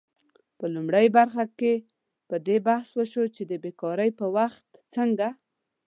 په لومړۍ برخه کې په دې بحث وشو چې د بیکارۍ په وخت څنګه